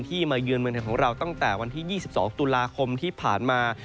มาเยือนเมืองไทยของเราตั้งแต่วันที่๒๒ตุลาคมที่ผ่านมา